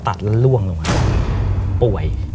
ตัดแล้วล่วงลงมาป่วย